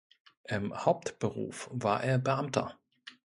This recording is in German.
Im Hauptberuf war er Beamter.